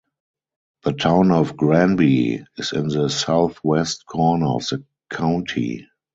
The Town of Granby is in the southwest corner of the county.